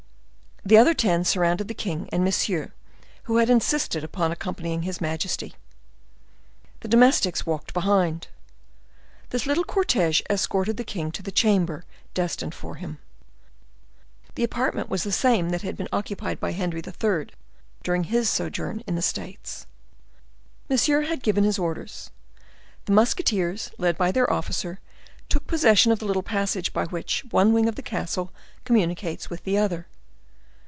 The other ten surrounded the king and Monsieur, who had insisted upon accompanying his majesty. The domestics walked behind. This little cortege escorted the king to the chamber destined for him. The apartment was the same that had been occupied by Henry III. during his sojourn in the States. Monsieur had given his orders. The musketeers, led by their officer, took possession of the little passage by which one wing of the castle communicates with the other.